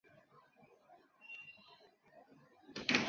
青年时期曾经参加法国托派组织国际主义共产主义组织。